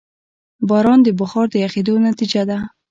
باران د بخار د یخېدو نتیجه ده.